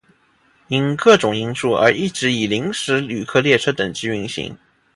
由于各种因素而一直以临时旅客列车等级运行。